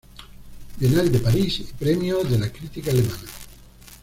Bienal de París y Premio de la Crítica Alemana.